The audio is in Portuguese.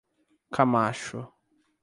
Camacho